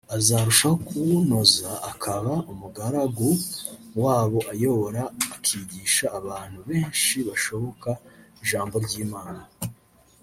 azarushaho kuwunoza akaba umugaragu w’abo ayobora akigisha abantu benshi bashoboka ijambo ry’Imana